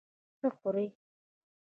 څه خوړې؟